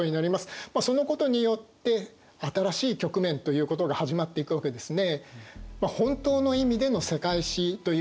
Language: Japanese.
そのことによって新しい局面ということが始まっていくわけですね。